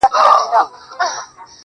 • زه نو بيا څنگه مخ در واړومه.